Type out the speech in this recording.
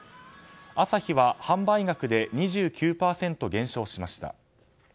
アサヒは販売額で２９％減少しました。